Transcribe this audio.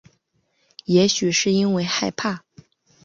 也许是因为害怕